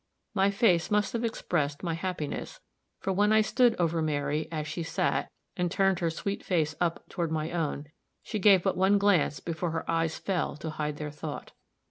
My face must have expressed my happiness, for when I stood over Mary, as she sat, and turned her sweet face up toward my own, she gave but one glance before her eyes fell to hide their thought.